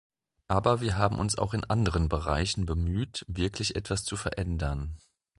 Aber wir haben uns auch in anderen Bereichen bemüht, wirklich etwas zu verändern.